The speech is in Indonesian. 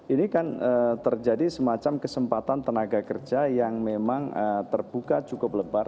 ini kan terjadi semacam kesempatan tenaga kerja yang memang terbuka cukup lebar